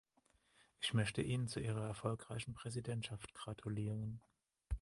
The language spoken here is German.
Ich möchte Ihnen zu Ihrer erfolgreichen Präsidentschaft gratulieren.